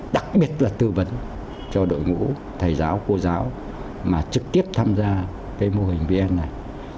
đặc biệt là tư vấn cho đội ngũ thầy giáo cô giáo mà trực tiếp tham gia cái mô hình vn này